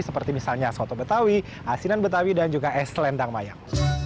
seperti misalnya soto betawi asinan betawi dan juga es selendang mayang